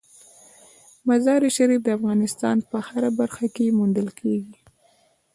مزارشریف د افغانستان په هره برخه کې موندل کېږي.